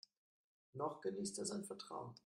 Noch genießt er sein Vertrauen.